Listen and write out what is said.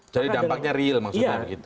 jadi dampaknya real maksudnya begitu